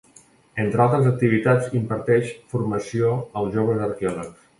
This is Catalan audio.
Entre altres activitats, imparteix formació als joves arqueòlegs.